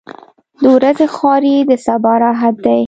• د ورځې خواري د سبا راحت دی.